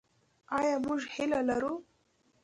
آیا موږ هیله لرو؟